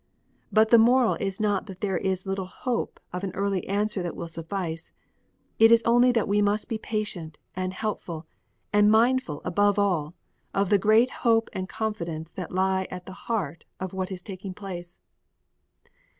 But the moral is not that there is little hope of an early answer that will suffice. It is only that we must be patient and helpful and mindful above all of the great hope and confidence that lie at the heart of what is taking place.